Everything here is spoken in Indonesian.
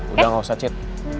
udah gak usah cid